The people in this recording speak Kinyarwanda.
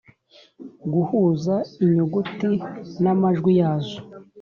-guhuza inyuguti n’amajwi yazo;